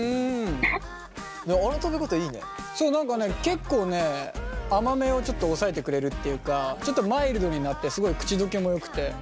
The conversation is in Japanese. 結構ね甘めをちょっと抑えてくれるっていうかちょっとマイルドになってすごい口溶けもよくて。